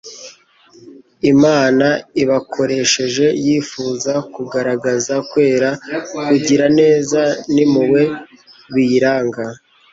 Imana ibakoresheje, yifuza kugaragaza kwera, kugira neza n'impuhwe biyiranga.